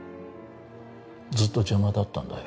ずっと邪魔だったんだよ